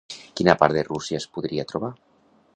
A quina part de Rússia es podria trobar?